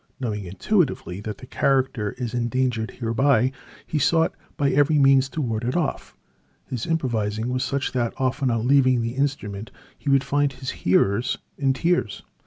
Knowing intuitively that the character is endangered thereby, he sought by every means to ward it off. His improvising was such that often on leaving the instrument he would find his hearers in tears.